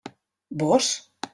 Vós?